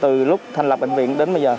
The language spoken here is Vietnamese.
từ lúc thành lập bệnh viện đến bây giờ